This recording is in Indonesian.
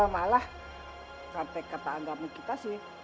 malah kata kata anggapnya kita sih